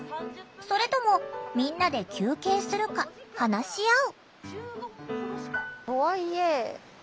それともみんなで休憩するか話し合う。